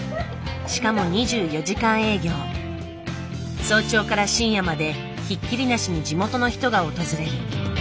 しかも早朝から深夜までひっきりなしに地元の人が訪れる。